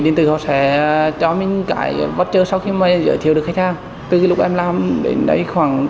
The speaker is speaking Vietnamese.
như mmo epay zalopay